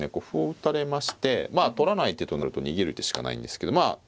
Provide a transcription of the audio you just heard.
歩を打たれましてまあ取らない手となると逃げる手しかないんですけどまあ